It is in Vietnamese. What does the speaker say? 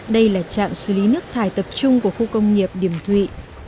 đây là nước thải tập trung của khu công nghiệp điểm thụy